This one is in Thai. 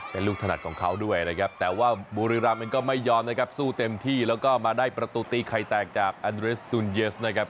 เป็นลูกถนัดของเขาด้วยนะครับแต่ว่าบุรีรำเองก็ไม่ยอมนะครับสู้เต็มที่แล้วก็มาได้ประตูตีไข่แตกจากอันเรสตูนเยสนะครับ